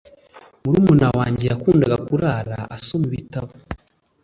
Murumuna wanjye yakundaga kurara asoma ibitabo.